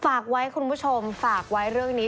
ฝากไว้คุณผู้ชมฝากไว้เรื่องนี้